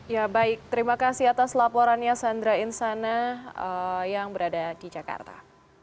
ya baik terima kasih atas laporannya sandra insana yang berada di jakarta